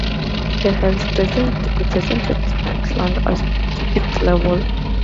He has represented Scotland at youth level.